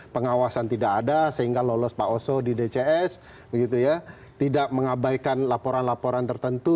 pengawasan tidak ada sehingga lolos pak oso di dcs tidak mengabaikan laporan laporan tertentu